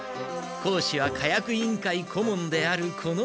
講師は火薬委員会顧問であるこのワタシ。